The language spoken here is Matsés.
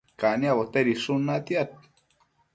caniabo tedishun natiad